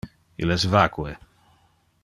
Il es vacue.